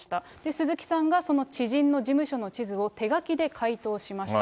鈴木さんがその知人の事務所の地図を手書きで回答しました。